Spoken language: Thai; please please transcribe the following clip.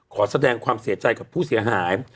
ขอแสดงความเสียใจกับผู้เสียหาย